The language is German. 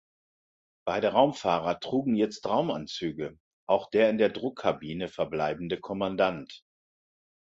Beide Raumfahrer trugen jetzt Raumanzüge, auch der in der Druckkabine verbleibende Kommandant.